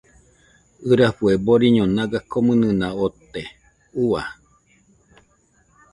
ɨrafue boriño naga komɨnɨna ote, Ua